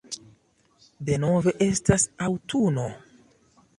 Denove estas aŭtuno.